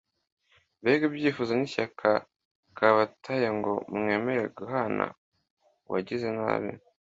Mbega ibyifuzo n’ishyaka kabateye ngo mwemere guhana uwagize nabi